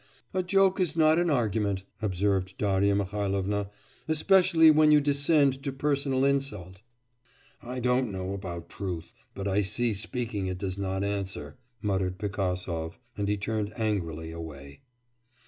'A joke is not an argument,' observed Darya Mihailovna, 'especially when you descend to personal insult.' 'I don't know about truth, but I see speaking it does not answer,' muttered Pigasov, and he turned angrily away.